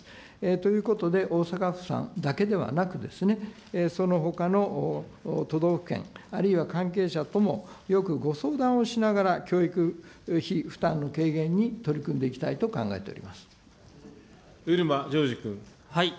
ということで、大阪府さんだけではなくですね、そのほかの都道府県、あるいは関係者ともよくご相談をしながら教育費負担の軽減に取り漆間譲司君。